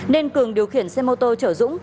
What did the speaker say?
nên cường điều khiển xe mô tô chở dũng